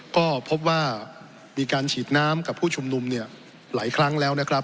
ก็พบว่ามีการฉีดน้ำกับผู้ชุมนุมเนี่ยหลายครั้งแล้วนะครับ